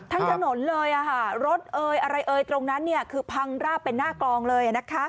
ทางถนนเลยค่ะรถอะไรตรงนั้นคือพังราบเป็นหน้ากลองเลย